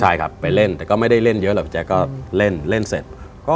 ใช่ครับไปเล่นแต่ก็ไม่ได้เล่นเยอะหรอกพี่แจ๊คก็เล่นเล่นเสร็จ